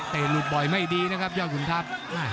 เตะลูกบอยไม่ดีนะครับยอดขุนทัพ